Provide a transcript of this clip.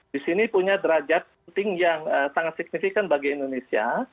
di sini punya derajat penting yang sangat signifikan bagi indonesia